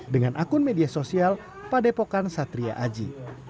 dengan akun media sosial padepokan satria aji